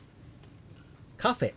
「カフェ」。